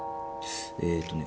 えっとね